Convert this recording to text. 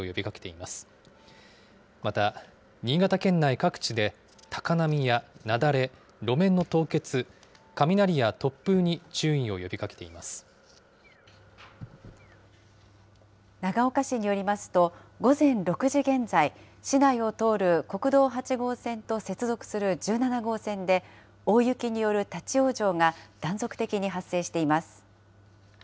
また、新潟県内各地で高波や雪崩、路面の凍結、雷や突風に注意を呼びか長岡市によりますと、午前６時現在、市内を通る国道８号線と接続する１７号線で、大雪による立往生が断続的に発生しています。